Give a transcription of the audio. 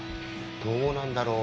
どうなんだろう？